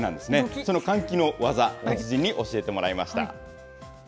その換気の技、達人に教えてもらいました。